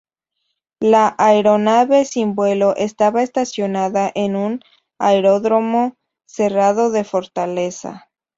La aeronave sin vuelo estaba estacionada en un aeródromo cerrado de Fortaleza.